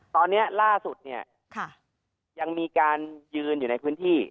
ตอนนี้ล่าสุดเนี่ยยังมีการยืนอยู่ในพื้นที่